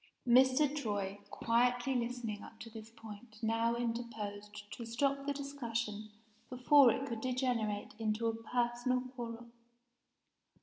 Mr. Troy, quietly listening up to this point now interposed to stop the discussion before it could degenerate into a personal quarrel.